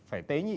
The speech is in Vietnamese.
phải tế nhị